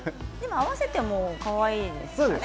合わせてもかわいいですよね。